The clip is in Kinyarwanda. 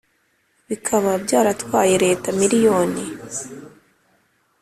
bikaba byaratwaye Leta miliyoni